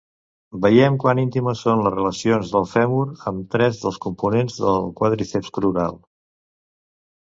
Veiem quan íntimes són les relacions del fèmur amb tres dels components del quàdriceps crural.